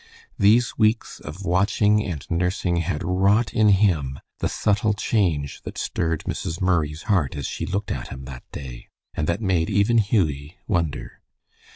These weeks of watching and nursing had wrought in him the subtle change that stirred Mrs. Murray's heart as she looked at him that day, and that made even Hughie wonder.